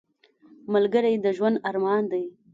ملګری د ژوند ارمان دی